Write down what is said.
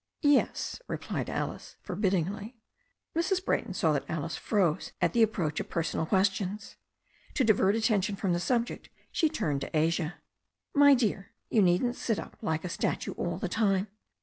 "Yes," replied Alice forbiddingly. Mrs. Brayton saw that Alice froze at the approach of THE STORY OF A NEW ZEALAND RIVER 49 personal questions. To divert attention from the subject she turned to Asia. "My dear, you needn't sit up like a statue all the time.